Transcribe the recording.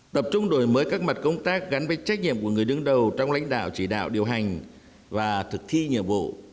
tập trung đổi mới các mặt công tác gắn với trách nhiệm của người đứng đầu trong lãnh đạo chỉ đạo điều hành và thực thi nhiệm vụ